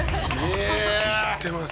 「行ってます」